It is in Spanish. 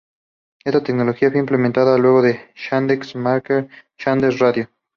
Esta tecnología fue implementada luego en Yandex.Market y Yandex.Radio.